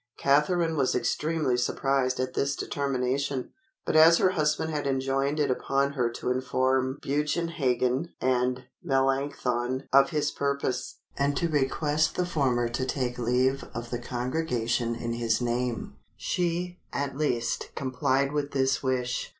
Catharine was extremely surprised at this determination; but as her husband had enjoined it upon her to inform Bugenhagen and Melanchthon of his purpose, and to request the former to take leave of the congregation in his name, she, at least, complied with this wish.